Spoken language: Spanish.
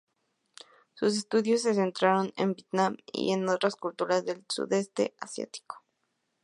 Sus estudios se centraron en Vietnam y en otras culturas del Sudeste Asiático.